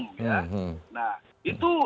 nah itu bukan menjadi masalah bagi kita gitu loh